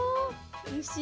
おいしい。